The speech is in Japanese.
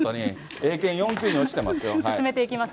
英検４級に落ちてますよ。